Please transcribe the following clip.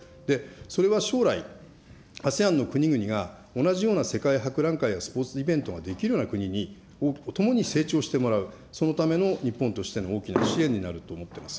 それは将来、ＡＳＥＡＮの国々が同じような世界博覧会やスポーツイベントができるような国にともに成長してもらう、そのための日本としての大きな支援になると思っています。